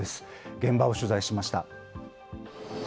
現場を取材しました。